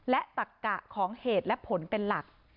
และตักกะของเหตุและผลเป็นหลัก